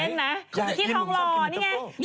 ที่ทองหล่อนี่ไง